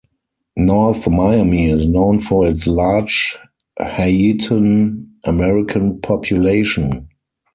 North Miami is known for its large Haitian-American population.